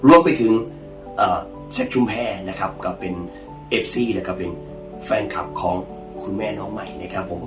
รวมไปถึงแซคชุมแพร่นะครับก็เป็นเอฟซี่แล้วก็เป็นแฟนคลับของคุณแม่น้องใหม่นะครับผม